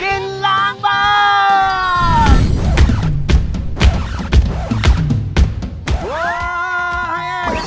กินล้างบาง